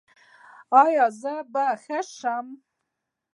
ایا زه به ښه شم؟